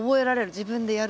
自分でやるから。